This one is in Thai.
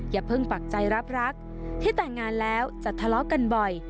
อย่าเพิ่งปักใจรับรักที่แต่งงานแล้วจะทะเลาะกันบ่อย